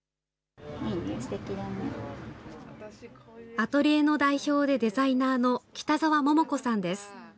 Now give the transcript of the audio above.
アトリエの代表でデザイナーの北澤桃子さんです。